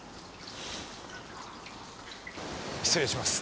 失礼します。